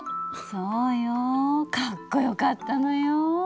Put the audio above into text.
そうよかっこよかったのよ。